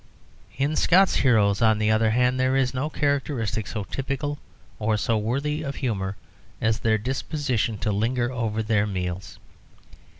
In Scott's heroes, on the other hand, there is no characteristic so typical or so worthy of humour as their disposition to linger over their meals.